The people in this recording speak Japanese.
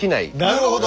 なるほど。